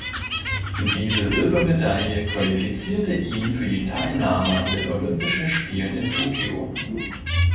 Diese Silbermedaille qualifizierte ihn für die Teilnahme an den Olympischen Spielen in Tokio.